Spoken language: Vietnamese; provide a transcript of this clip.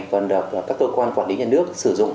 còn được các cơ quan quản lý nhà nước sử dụng